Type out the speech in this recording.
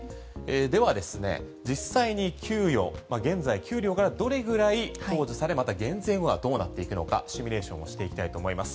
実際に現在給料がどれぐらいなのかまた減税はどうなっているのかシミュレーションをしていきたいと思います。